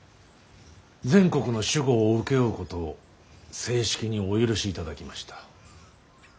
全国の守護を請け負うことを正式にお許しいただきました。